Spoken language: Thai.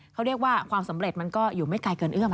เขาเรียกว่าความสำเร็จมันก็อยู่ไม่ไกลเกินเอื้อม